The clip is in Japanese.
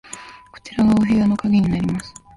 こちらがお部屋の鍵になります。